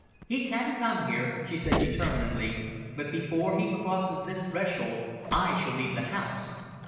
"He can come here," she said determinedly, "but before he crosses this threshold, I shall leave the house.